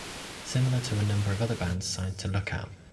Similar to a number of other bands signed to Lookout!